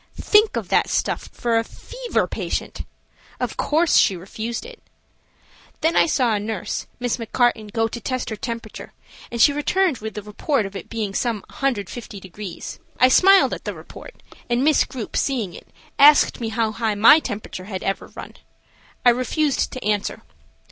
Think of that stuff for a fever patient! Of course, she refused it. Then I saw a nurse, Miss McCarten, go to test her temperature, and she returned with a report of it being some 150 degrees. I smiled at the report, and Miss Grupe, seeing it, asked me how high my temperature had ever run. I refused to answer.